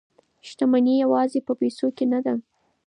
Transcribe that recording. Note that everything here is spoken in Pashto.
شتمني یوازې په پیسو کې نه ده.